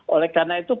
oleh karena itu penting